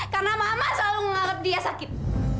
karena mama selalu menganggap dia sakit